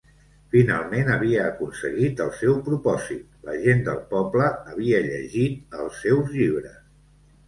Finalment havia aconseguit el seu propòsit; la gent del poble havia llegit els seus llibres.